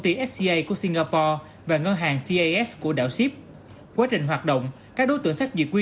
ty sca của singapore và ngân hàng tas của đảo sip quá trình hoạt động các đối tượng xác duyệt quy